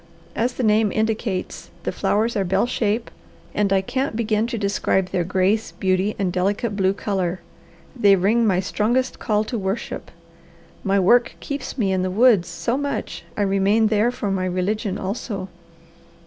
As the name indicates, the flowers are bell shape and I can't begin to describe their grace, beauty, and delicate blue colour. They ring my strongest call to worship. My work keeps me in the woods so much I remain there for my religion also.